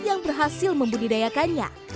yang berhasil membudidayakannya